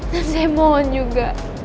dan saya mohon juga